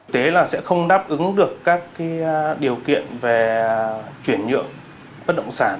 thế là sẽ không đáp ứng được các điều kiện về chuyển nhượng bất động sản